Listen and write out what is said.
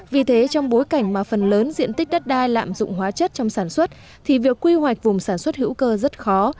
vì thế trong bối cảnh mà phần lớn diện tích đất đai lạm dụng hóa chất trong sản xuất thì việc quy hoạch vùng sản xuất hữu cơ rất khó